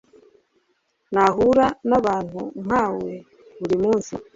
nahura nabantu nkawe burimunsi